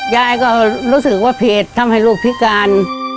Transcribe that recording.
ยายก็รู้สึกว่าผิดทำให้ลูกพิการ